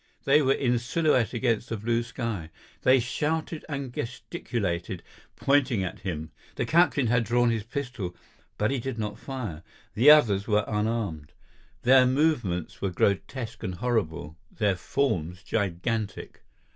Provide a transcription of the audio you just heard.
They were in silhouette against the blue sky. They shouted and gesticulated, pointing at him. The captain had drawn his pistol, but did not fire; the others were unarmed. Their movements were grotesque and horrible, their forms gigantic.